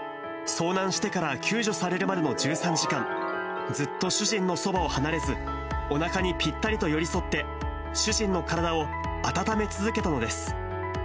遭難してから救助されるまでの１３時間、ずっと主人のそばを離れず、おなかにぴったりと寄り添って、主人の体を温め続けたのです。